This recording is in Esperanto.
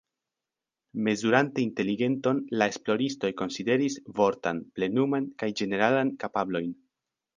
Mezurante inteligenton, la esploristoj konsideris vortan, plenuman kaj ĝeneralan kapablojn.